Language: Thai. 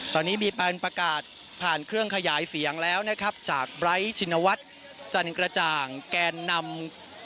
ตอนนี้มีแปลนประกาศผ่านเครื่องขยายเสียงแล้วนะครับจากจันกระจ่างแกนนำ